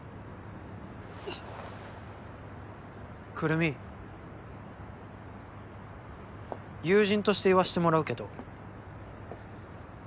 くるみ友人として言わしてもらうけど。